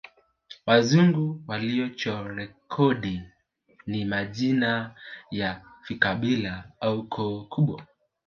Wazungu walichorekodi ni majina ya vikabila au koo kubwa